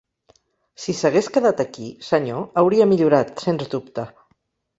Si s'hagués quedat aquí, senyor, hauria millorat, sens dubte.